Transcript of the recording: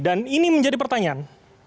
dan ini menjadi pertanyaan